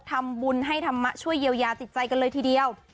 ทำบุญให้ธรรมะช่วยเยียวยาจิตใจกันเลยทีเดียว